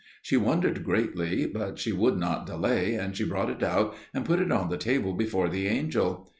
She wondered greatly, but she would not delay, and she brought it out and put it on the table before the angel.